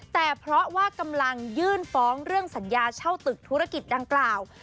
แต่เพราะว่ากำลังยื่นฟ้องเรื่องสัญญาเช่าตึกธุรกิจดังกล่าว